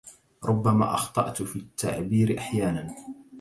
ربما أخطأت في التعبير أحياناً